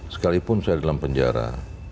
sekalipun saya dalam penjara